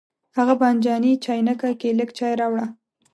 هغه بانجاني چاینکه کې لږ چای راوړه.